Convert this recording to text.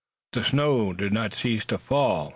The snow did not cease to fall.